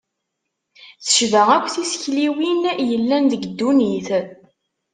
Tecba akk tisekliwin yellan deg ddunit.